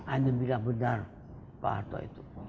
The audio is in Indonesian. anda bilang benar pak harto itu